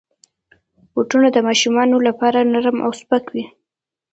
بوټونه د ماشومانو لپاره نرم او سپک وي.